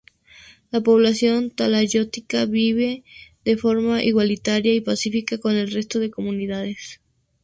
La población talayótica vive de forma igualitaria y pacífica con el resto de comunidades.